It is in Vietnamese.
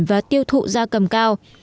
và tiêu thụ da cầm cao